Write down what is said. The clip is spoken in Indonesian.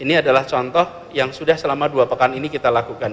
ini adalah contoh yang sudah selama dua pekan ini kita lakukan